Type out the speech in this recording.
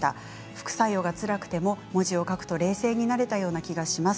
副作用がつらくても文字を書くと冷静になれたような気がします。